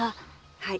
はい。